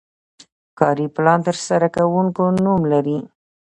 کاري پلان د ترسره کوونکي نوم لري.